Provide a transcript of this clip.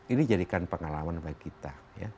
ini jadikan pengalaman bagi kita